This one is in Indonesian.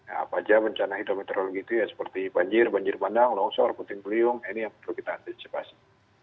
apa aja bencana hidrometeorologi itu ya seperti banjir banjir bandang longsor puting beliung ini yang perlu kita antisipasi